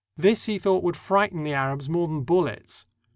This he thought would frighten the Arabs more than bullets.